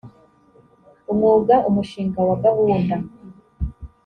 umwuga umushinga wa gahunda